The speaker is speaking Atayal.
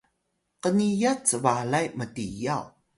qniyat cbalay mtiyaw